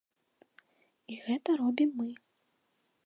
І гэта робім мы.